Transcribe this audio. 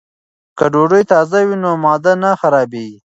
که ډوډۍ تازه وي نو معده نه خرابیږي.